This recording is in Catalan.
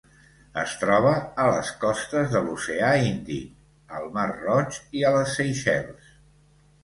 Es troba a les costes de l'Oceà Índic: al Mar Roig i a les Seychelles.